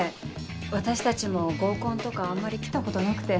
私たちも合コンとかあんまり来たことなくて。